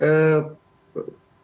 proses tender itu dilangsungkan